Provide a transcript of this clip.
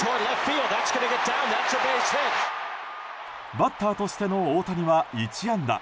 バッターとしての大谷は１安打。